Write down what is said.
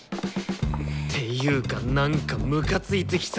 っていうかなんかムカついてきた！